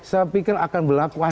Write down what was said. saya pikir akan berlaku